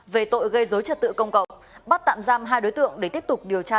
về tội gây dối trật tự công cộng bắt tạm giam hai đối tượng để tiếp tục điều tra